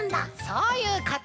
そういうこと！